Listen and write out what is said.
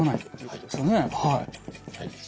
はい。